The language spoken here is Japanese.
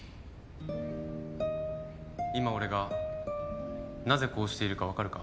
今俺がなぜこうしているか分かるか？